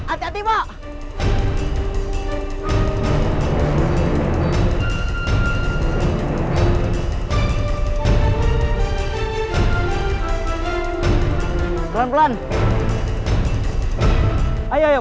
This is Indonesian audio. aku sudah tidak sabar untuk menyusuli buku